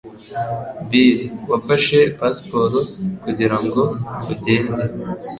Bill, wafashe passport kugirango ugende?